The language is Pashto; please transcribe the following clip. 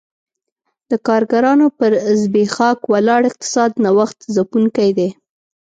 د کارګرانو پر زبېښاک ولاړ اقتصاد نوښت ځپونکی دی